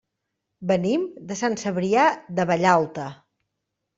Venim de Sant Cebrià de Vallalta.